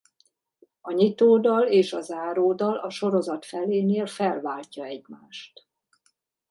A nyitódal és a záródal a sorozat felénél felváltja egymást.